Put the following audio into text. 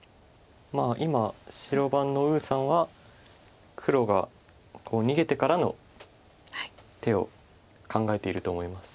今白番の呉さんは黒が逃げてからの手を考えていると思います。